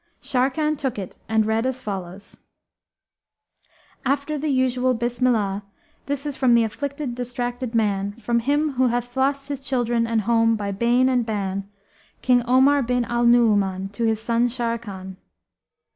Sharrkan took it and read as follows, "After the usual Bismillah, this is from the afflicted distracted man, from him who hath lost his children and home by bane and ban, King Omar bin al Nu'uman, to his son Sharrkan.